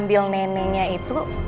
bisa kasih saling menikmati